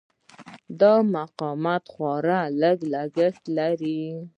دا مقاومت خورا لږ لګښت لري.